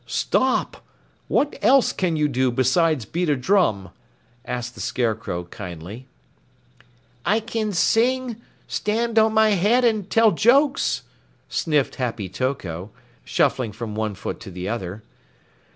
"Stop! What else can you do besides beat a drum?" asked the Scarecrow kindly. "I can sing, stand on my head, and tell jokes," sniffed Happy Toko, shuffling from one foot to the other.